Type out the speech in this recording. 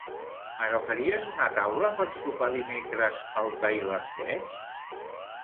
M'agafaries una taula per sopar dimecres al tailandès?